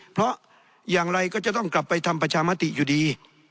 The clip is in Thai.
เพราะอย่างไรก็จะต้องกลับไปทำประชามติอยู่ดี